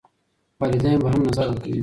والدین به هم نظر ورکوي.